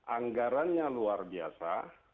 anggarannya luar biasa